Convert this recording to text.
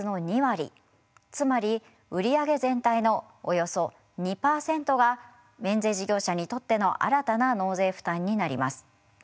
つまり売り上げ全体のおよそ２％が免税事業者にとっての新たな納税負担になります。